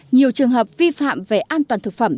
nhiều trường hợp vi phạm về an toàn thực phẩm